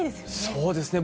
そうですね。